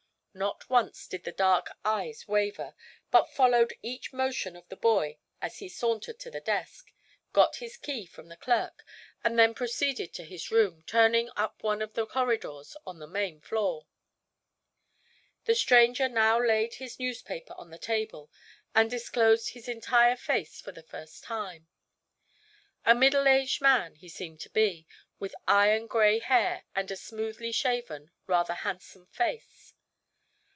Not once did the dark eyes waver, but followed each motion of the boy as he sauntered to the desk, got his key from the clerk, and then proceeded to his room, turning up one of the corridors on the main floor. The stranger now laid his newspaper on the table and disclosed his entire face for the first time. A middle aged man, he seemed to be, with iron gray hair and a smoothly shaven, rather handsome face.